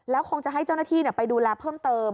แล้วคงจะให้เจ้าหน้าที่ไปดูแลเพิ่มเติม